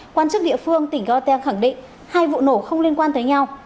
quan chức địa phương tỉnh gortia khẳng định hai vụ nổ không liên quan tới nhau